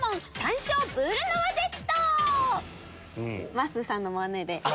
まっすーさんのマネで。